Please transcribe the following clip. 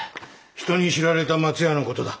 人に知られた松屋の事だ。